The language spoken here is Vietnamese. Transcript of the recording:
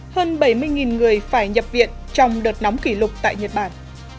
hơn bảy mươi người phải nhập viện trong đợt nóng kỷ lục tại nhật bản